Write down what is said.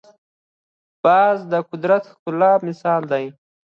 باز د قدرت ښکلی مثال دی